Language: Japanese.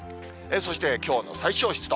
そして、きょうの最小湿度。